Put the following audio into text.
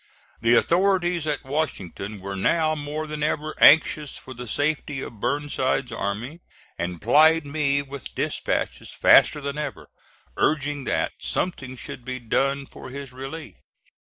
The authorities at Washington were now more than ever anxious for the safety of Burnside's army, and plied me with dispatches faster than ever, urging that something should be done for his relief.